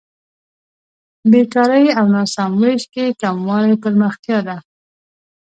بېکارۍ او ناسم وېش کې کموالی پرمختیا ده.